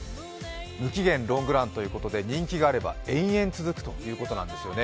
無期限ロングランということで人気があれば延々続くということなんですよね。